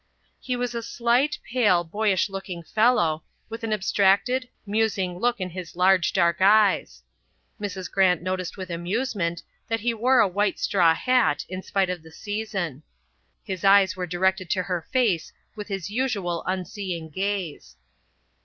He was a slight, pale, boyish looking fellow, with an abstracted, musing look in his large dark eyes. Mrs. Grant noticed with amusement that he wore a white straw hat in spite of the season. His eyes were directed to her face with his usual unseeing gaze.